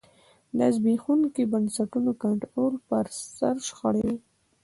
دا د زبېښونکو بنسټونو کنټرول پر سر شخړې وې